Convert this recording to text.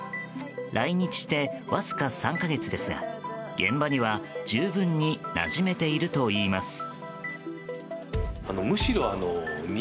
来日してわずか３か月ですが現場には、十分になじめているといいます。